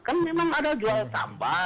kan memang ada jual tambah